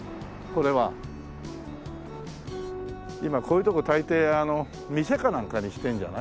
今こういう所大抵店かなんかにしてんじゃない？